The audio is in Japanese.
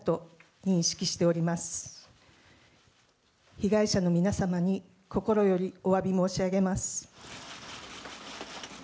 被害者の皆様に心よりおわび申し上げます。